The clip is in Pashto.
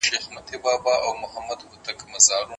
کور زده کړه د ماشوم اړتیاوې ښه پوره کوي.